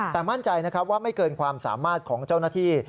แต่มั่นใจนะครับว่าไม่เกินความสามารถของเจ้าหน้าที่